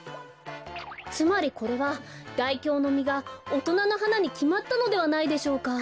つまりこれは大凶のみがおとなの花にきまったのではないでしょうか？